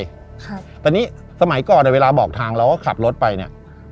ครับแต่นี่สมัยก่อนอ่ะเวลาบอกทางเราก็ขับรถไปเนี้ย